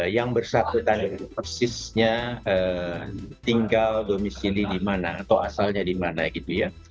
yang bersangkutan persisnya tinggal domisili di mana atau asalnya di mana gitu ya